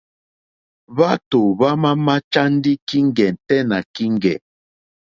Hwátò hwámà máchá ndí kíŋgɛ̀ tɛ́ nà kíŋgɛ̀.